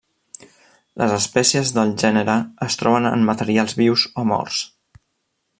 Les espècies del gènere es troben en materials vius o morts.